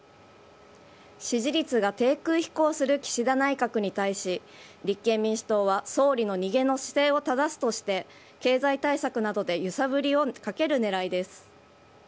支持率が低空飛行する岸田内閣に対し、立憲民主党は総理の逃げの姿勢をただすとして、経済対策などで揺さぶりをかけるねらいです。